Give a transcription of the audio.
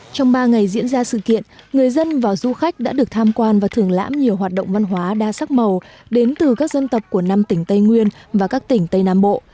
trong ba ngày diễn ra sự kiện người dân và du khách đã được tham quan và thưởng lãm nhiều hoạt động văn hóa đa sắc màu đến từ các dân tộc của năm tỉnh tây nguyên và các tỉnh tây nam bộ